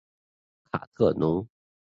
卡特农。